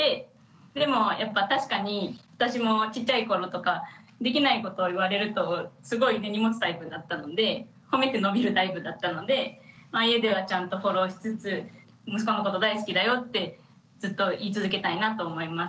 でもやっぱ確かに私もちっちゃい頃とかできないことを言われるとすごい根に持つタイプだったので褒めて伸びるタイプだったので家ではちゃんとフォローしつつ息子のこと大好きだよってずっと言い続けたいなと思います。